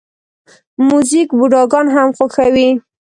موزیک بوډاګان هم خوښوي.